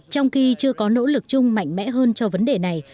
trong khi chưa có nỗ lực chung mạnh mẽ hơn cho vấn đề này